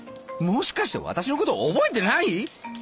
もしかして私のこと覚えてない？